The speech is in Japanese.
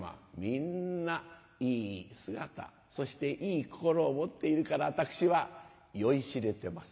みんないい姿そしていい心を持っているから私は酔いしれてます。